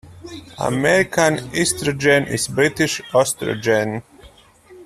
American estrogen is British oestrogen.